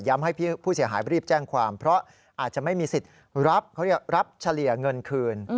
ให้ผู้เสียหายรีบแจ้งความเพราะอาจจะไม่มีสิทธิ์รับเขาเรียกรับเฉลี่ยเงินคืน